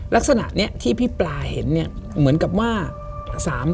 ลักษณะนี้ที่พี่ปลาเห็นเนี่ยเหมือนกับว่า